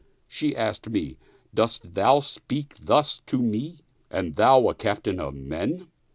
She asked me, " Dost thou speak thus to me and thou a captain of men